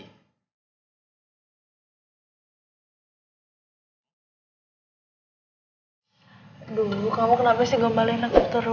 aduh kamu kenapa sih gue balikin langsung terus